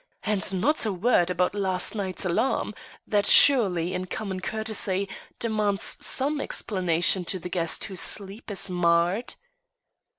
And not a word about last night's alarm that surely, in common courtesy, demands some explanation to the guest whose sleep is marred."